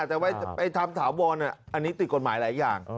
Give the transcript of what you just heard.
แต่ไว้ไปทำถาวบอลนี่อันนี้ติดกฎหมายหลายอย่าง